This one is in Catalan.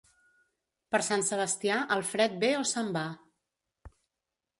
Per Sant Sebastià el fred ve o se'n va.